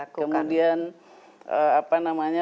kemudian apa namanya